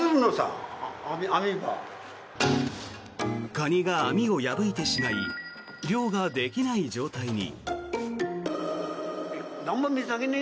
カニが網を破いてしまい漁ができない状態に。